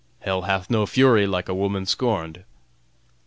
"Hell hath no fury like a woman scorned."